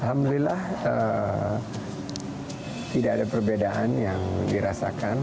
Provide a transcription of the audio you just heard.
alhamdulillah tidak ada perbedaan yang dirasakan